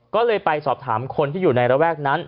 ก็เลยไปสอบถามคนที่อยู่ในระแวกนั้น